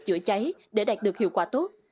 chữa cháy để đạt được hiệu quả tốt